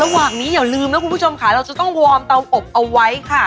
หวังนี้อย่าลืมนะคุณผู้ชมค่ะเราจะต้องวอร์มเตาอบเอาไว้ค่ะ